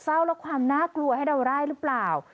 และความน่ากลัวให้เราได้หรือเปล่า